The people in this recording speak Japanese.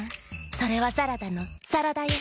それはサラダのさらだよ」。